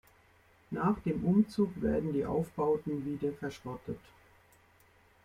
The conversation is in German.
Nach dem Umzug werden die Aufbauten wieder verschrottet.